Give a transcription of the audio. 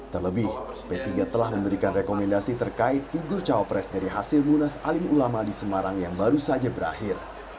terlebih p tiga telah memberikan rekomendasi terkait figur cawapres dari hasil munas alim ulama di semarang yang baru saja berakhir